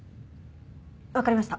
わかりました。